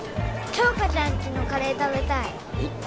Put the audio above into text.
杏花ちゃんちのカレー食べたいえっ？